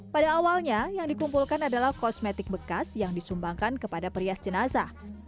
pada awalnya yang dikumpulkan adalah kosmetik bekas yang disumbangkan kepada perias jenazah